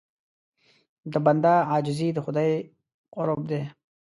د بنده عاجزي د خدای قرب ده.